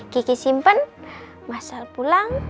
kiki simpen mas al pulang